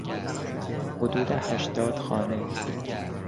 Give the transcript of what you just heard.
حدود هشتاد خانه